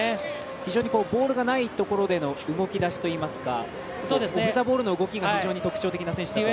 非常にボールがないところでの動き出しといいますかオフザボールの動きが非常に特徴的な選手ですね。